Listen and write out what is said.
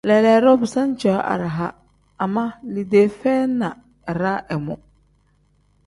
Leleedo bisaani cooo araha ama liidee feyi na iraa imu.